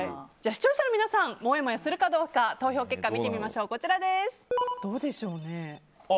視聴者の皆さんもやもやするかどうか投票結果を見てみましょう。